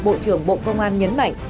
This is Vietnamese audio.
bộ trưởng bộ công an nhân dân